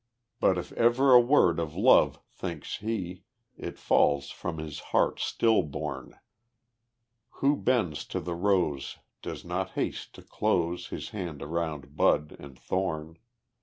But if ever a word of love thinks he, It falls from his heart still born; Who bends to the rose does not haste to close His hand around bud and thorn.